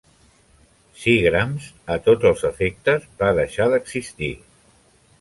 Seagram's, a tots els efectes, va deixar d'existir.